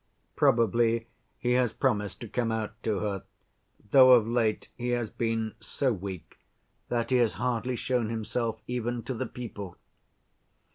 Probably he has promised to come out to her, though of late he has been so weak that he has hardly shown himself even to the people."